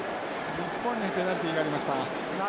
日本にペナルティーがありました。